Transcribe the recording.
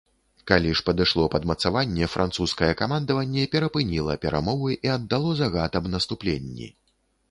Калі ж падышло падмацаванне, французскае камандаванне перапыніла перамовы і аддало загад аб наступленні.